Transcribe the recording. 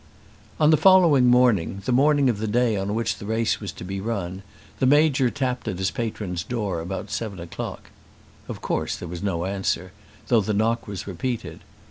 On the following morning, the morning of the day on which the race was to be run, the Major tapped at his patron's door about seven o'clock. Of course there was no answer, though the knock was repeated.